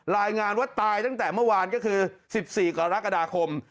รายงานว่าตายตั้งแต่เมื่อวานก็คือ๑๔กรกฎาคม